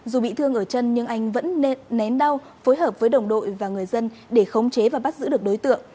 dù bị thương ở chân nhưng anh vẫn nên nén đau phối hợp với đồng đội và người dân để khống chế và bắt giữ được đối tượng